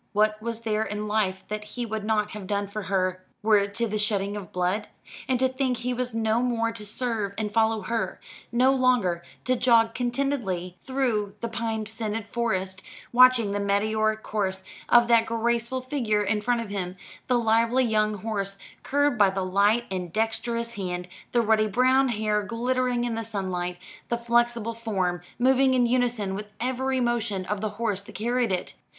What was there in life that he would not have done for her were it to the shedding of blood? And to think he was no more to serve and follow her; no longer to jog contentedly through the pine scented Forest watching the meteoric course of that graceful figure in front of him, the lively young horse curbed by the light and dexterous hand, the ruddy brown hair glittering in the sunlight, the flexible form moving in unison with every motion of the horse that carried it!